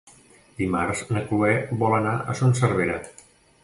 Dimarts na Cloè vol anar a Son Servera.